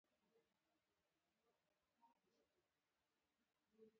اس مې سر څنډي،